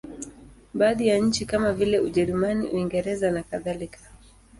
Baadhi ya nchi kama vile Ujerumani, Uingereza nakadhalika.